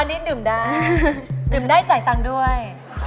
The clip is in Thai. อันนี้ดื่มได้ดื่มได้จ่ายตังค์ด้วย